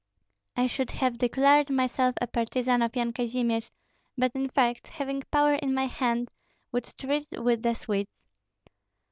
I should have declared myself a partisan of Yan Kazimir, but, in fact, having power in my hand, would treat with the Swedes.